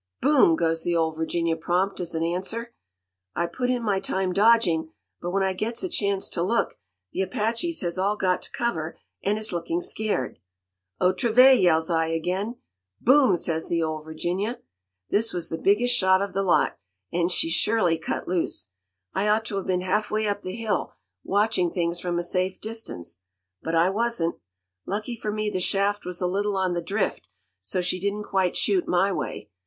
"'Boom!' goes the Ole Virginia prompt as an answer. "I put in my time dodging, but when I gets a chance to look, the Apaches has all got to cover and is looking scared. "'Otra vez!' yells I again. "'Boom!' says the Ole Virginia. "This was the biggest shot of the lot, and she surely cut loose. I ought to have been halfway up the hill watching things from a safe distance, but I wasn't. Lucky for me the shaft was a little on the drift, so she didn't quite shoot my way.